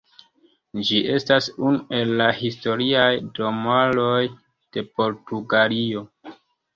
Ĝi estas unu el la Historiaj Domaroj de Portugalio.